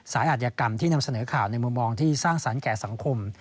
อาจยกรรมที่นำเสนอข่าวในมุมมองที่สร้างสรรค์แก่สังคม